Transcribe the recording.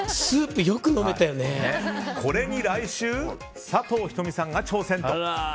これに来週、佐藤仁美さんが挑戦という。